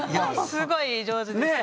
すごい上手です。